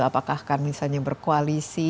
apakah akan misalnya berkoalisi